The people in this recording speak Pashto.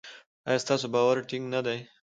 ایا ستاسو باور ټینګ نه دی؟